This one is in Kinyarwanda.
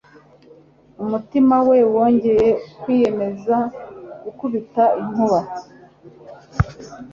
Umutima we wongeye kwiyemeza gukubita inkuba